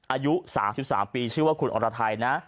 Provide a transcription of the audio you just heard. อายุ๓๓ปีชื่อว่าคุณอรไทยนะ